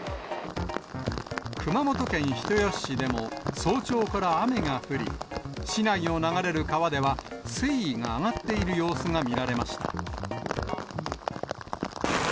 熊本県人吉市でも、早朝から雨が降り、市内を流れる川では、水位が上がっている様子が見られました。